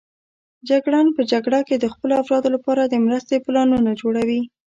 جګړن په جګړه کې د خپلو افرادو لپاره د مرستې پلانونه جوړوي.